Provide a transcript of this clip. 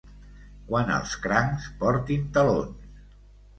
Quan els crancs portin talons.